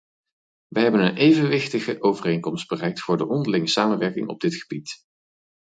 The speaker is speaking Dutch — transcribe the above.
Wij hebben een evenwichtige overeenkomst bereikt voor de onderlinge samenwerking op dit gebied.